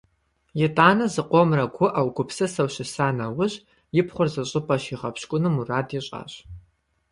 ИтӀанэ, зыкъомрэ гуӀэу, гупсысэу щыса нэужь, и пхъур зыщӀыпӀэ щигъэпщкӀуну мурад ищӀащ.